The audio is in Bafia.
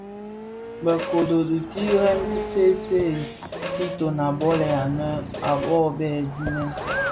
Bë kōdō ti lè ki see see siiton a bolè anë bi bon bë dimèn.